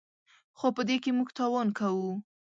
خو په دې کې موږ تاوان کوو.